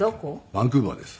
バンクーバーです。